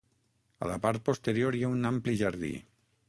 A la part posterior hi ha un ampli jardí.